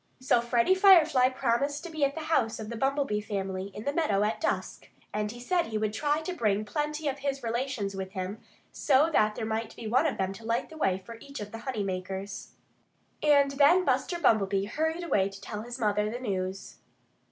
So Freddie Firefly promised to be at the house of the Bumblebee family, in the meadow, at dusk. And he said he would try to bring plenty of his relations with him, so that there might be one of them to light the way for each of the honey makers. And then Buster Bumblebee hurried away to tell his mother the news.